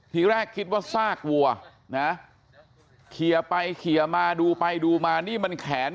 ทีแรกคิดว่าซากวัวนะเคลียร์ไปเคลียร์มาดูไปดูมานี่มันแขน